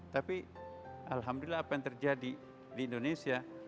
tapi alhamdulillah apa yang terjadi di indonesia